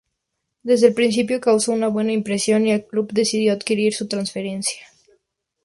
Desde el principio causó una buena impresión y el club decidió adquirir su transferencia.